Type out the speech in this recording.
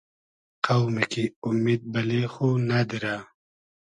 قۆمی کی اومید بئلې خو نئدیرۂ